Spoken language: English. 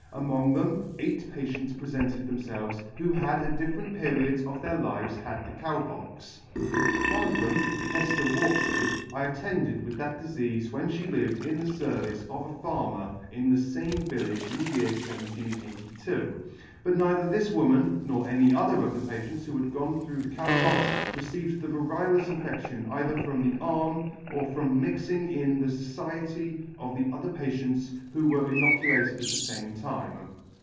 Among them, eight patients prefented them felves who had at different periods of their lives had the Cow Pox. One of them, Hefter Walkley, I attended with that difeafe when fhe lived in the fervice of a Farmer in the fame village in the year 1782; but neither this woman, nor any other of the patients who had gone through the Cow Pox, received the variolous infe&ion either from the arm or from mixing [ '85 J mixing in the fociety of the other patients who were inoculated at the fame time.